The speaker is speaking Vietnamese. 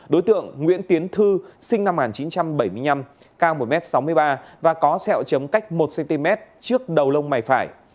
đối tượng nguyễn tiến thư sinh năm một nghìn chín trăm bảy mươi năm cao một m sáu mươi ba và có sẹo chấm cách một cm trước đầu lông mày phải